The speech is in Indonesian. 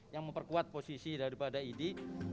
yang memperkuat posisi daripada idi